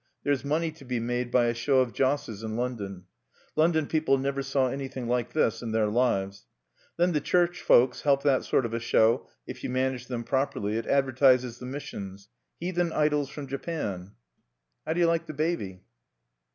"There's money to be made by a show of josses in London. London people never saw anything like this in their lives. Then the church folks help that sort of a show, if you manage them properly: it advertises the missions. 'Heathen idols from Japan!'... How do you like the baby?"